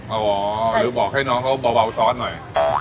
โอ้โหหรือบอกให้น้องเขาเบาซ้อนหน่อย